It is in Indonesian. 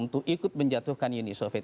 untuk ikut menjatuhkan uni soviet